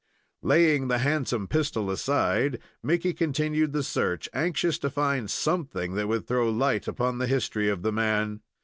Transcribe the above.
Laying the handsome pistol aside, Mickey continued the search, anxious to find something that would throw light upon the history of the man.